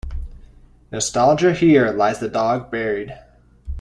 Nostalgia Here lies the dog buried.